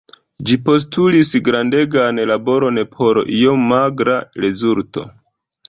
Ĝi postulis grandegan laboron por iom magra rezulto.